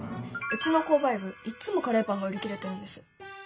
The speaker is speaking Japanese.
うちの購買部いっつもカレーパンが売り切れてるんです。